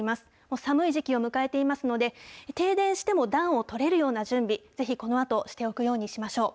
寒い時期を迎えていますので、停電しても暖をとれるような準備、ぜひこのあとしておくようにしましょう。